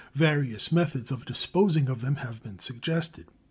Various methods of disposing of them have been suggested.